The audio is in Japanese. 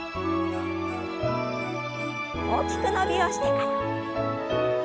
大きく伸びをしてから。